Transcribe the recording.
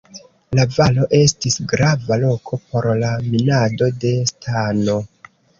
La valo estis grava loko por la minado de stano.